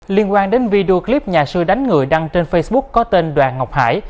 liên quan đến video clip nhà sư đánh người đăng trên facebook có tên đoàn ngọc hải